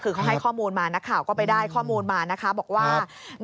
คือเขาให้ข้อมูลมานักข่าวก็ไปได้ข้อมูลมานะคะบอกว่า